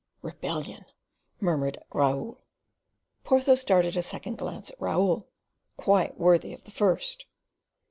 "Rebellion," murmured Raoul. Porthos darted a second glance at Raoul, quite worthy of the first.